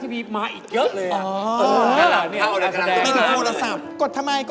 มีอารมณ์บ้าง